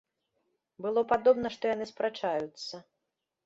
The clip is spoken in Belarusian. Было падобна, што яны спрачаюцца.